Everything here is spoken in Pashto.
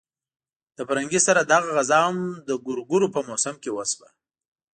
له پرنګي سره دغه غزا هم د ګورګورو په موسم کې وشوه.